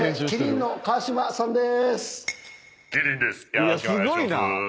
「よろしくお願いします」